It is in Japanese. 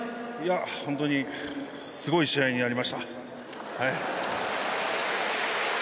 本当にすごい試合になりました。